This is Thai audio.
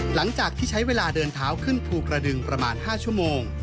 หลังจากที่ใช้เวลาเดินเท้าขึ้นภูกระดึงประมาณ๕ชั่วโมง